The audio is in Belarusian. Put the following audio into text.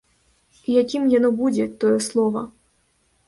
І якім яно будзе, тое слова?